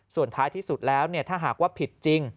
ส่วนท้ายที่สุดแล้วถ้าหากว่าผิดจริง